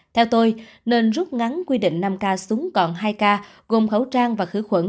theo tôi nên rút ngắn quy định năm k xuống còn hai k gồm khẩu trang và khử khuẩn